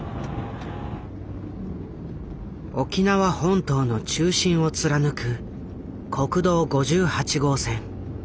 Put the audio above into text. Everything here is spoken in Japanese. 沖縄本島の中心を貫く国道５８号線。